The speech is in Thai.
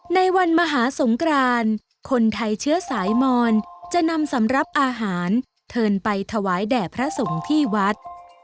ในวันมหาสงกรานคนไทยเชื้อสายมอนจะนำสำหรับอาหารเทินไปถวายแด่พระสงฆ์ที่วัด